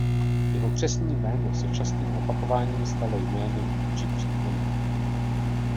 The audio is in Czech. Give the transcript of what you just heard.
Jeho křestní jméno se častým opakováním stalo jménem či příjmením.